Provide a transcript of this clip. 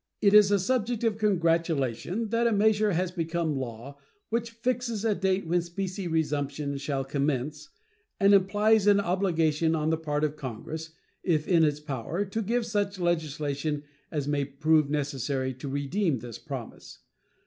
It is a subject of congratulation that a measure has become law which fixes a date when specie resumption shall commence and implies an obligation on the part of Congress, if in its power, to give such legislation as may prove necessary to redeem this promise.